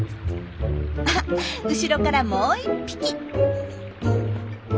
あ後ろからもう一匹。